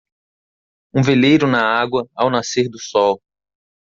Um veleiro na água ao nascer do sol.